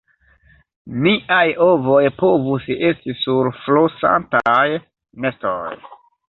"Niaj ovoj povus esti sur flosantaj nestoj!"